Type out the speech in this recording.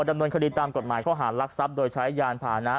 ดำเนินคดีตามกฎหมายข้อหารลักทรัพย์โดยใช้ยานพานะ